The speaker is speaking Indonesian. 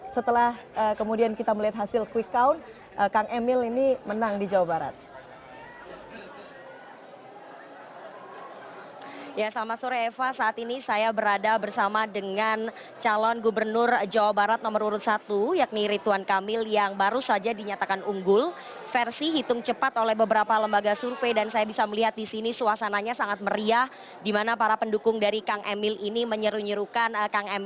setelah kemudian kita melihat hasil quick count kang emil ini menang di jawa barat